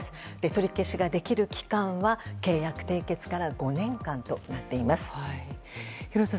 取り消しができる期間は契約締結から５年間となっています。